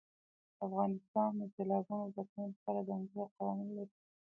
افغانستان د سیلابونو د ساتنې لپاره ځانګړي قوانین لري.